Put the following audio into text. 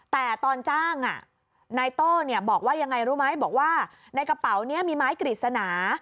แต่ตอนจ้างนายโต้บอกว่ายังไงรู้ไหมบอกว่าในกระเป๋านี้มีไม้กฤษณา